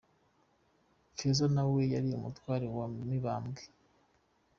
Kaza na we yari umutware wa Mibambwe.